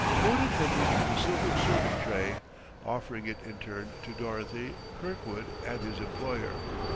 Wotton entered with a silver serving tray, offering it in turn to Dorothy, Kirkwood and his employer.